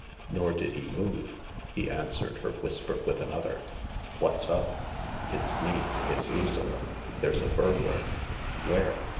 Nor did he move. He answered her whisper with another : "What's up?" "It's me. It's Lucilla. There's a burglar." "Where?"